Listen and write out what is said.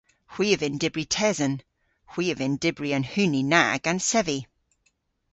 Hwi a vynn dybri tesen. Hwi a vynn dybri an huni na gans sevi.